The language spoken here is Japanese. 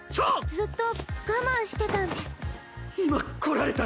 ずっと我慢してたんです。